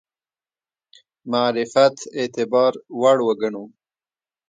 معرفت اعتبار وړ وګڼو.